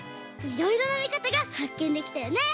いろいろなみかたがはっけんできたよね！